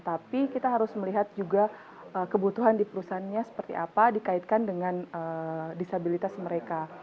tapi kita harus melihat juga kebutuhan di perusahaannya seperti apa dikaitkan dengan disabilitas mereka